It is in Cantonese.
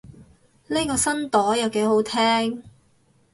呢個新朵又幾好聽